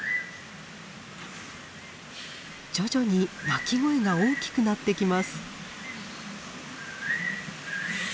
徐々に鳴き声が大きくなってきます。